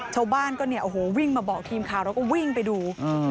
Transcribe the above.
ชาวบ้านก็เนี่ยโอ้โหวิ่งมาบอกทีมข่าวเราก็วิ่งไปดู